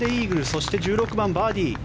そして、１６番でバーディー。